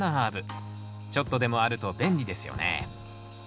ちょっとでもあると便利ですよね。